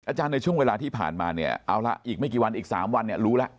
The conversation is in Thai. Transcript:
อาจารย์ในช่วงเวลาที่ผ่านมาเนี่ยเอาละอีกไม่กี่วันอีก๓วันเนี่ยรู้แล้ว